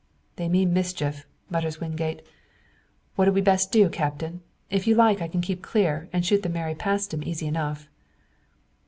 "They mean mischief," mutters Wingate; "what'd we best do, Captain? If you like I can keep clear, and shoot the Mary past 'em easy enough."